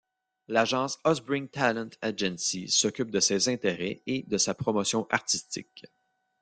L'agence Osbrink Talent Agency s'occupe de ses intérêts et de sa promotion artistique.